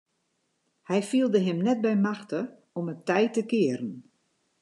Hy fielde him net by machte om it tij te kearen.